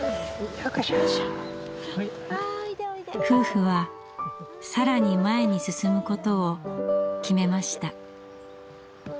夫婦は更に前に進むことを決めました。